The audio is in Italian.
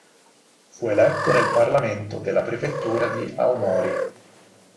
Fu eletto nel parlamento della prefettura di Aomori.